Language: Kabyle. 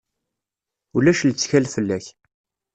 Ulac lettkal fell-ak.